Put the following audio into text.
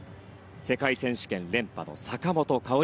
世界選手権連覇の坂本花織。